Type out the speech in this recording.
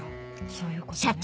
そういうことね。